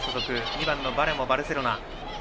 ２番のバリャもバルセロナ。